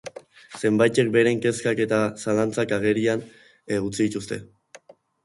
Zenbaitek beren kezkak eta zalantzak agerian utzi dituzte.